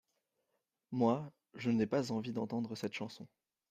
Moi, je n'ai pas envie d'entendre cette chanson.